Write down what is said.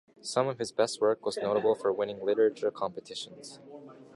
Some of his best work was notable for winning literature competitions.